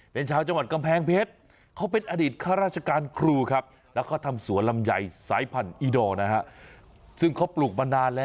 เป็นชาวจังหวัดกำแพงเพชรเขาเป็นอดีตข้าราชกาลครูครับ